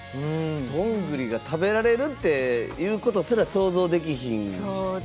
どんぐりが食べられるっていうことすら想像できひんもんね。